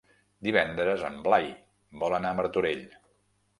Divendres en Blai vol anar a Martorell.